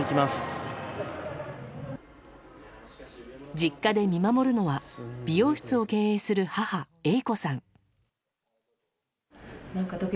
実家で見守るのは美容室を経営する母・英子さん。